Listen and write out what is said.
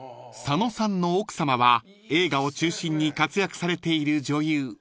［佐野さんの奥さまは映画を中心に活躍されている女優